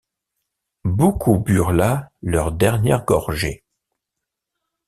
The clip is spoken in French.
Beaucoup burent là leur dernière gorgée.